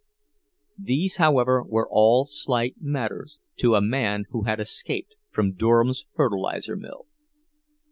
These, however, were all slight matters to a man who had escaped from Durham's fertilizer mill.